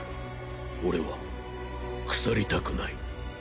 俺は腐りたくない。